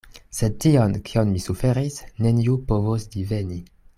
Sed tion, kion mi suferis, neniu povos diveni.